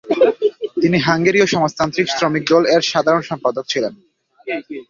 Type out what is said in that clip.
তিনি হাঙ্গেরীয় সমাজতান্ত্রিক শ্রমিক দল এর সাধারণ সম্পাদক ছিলেন।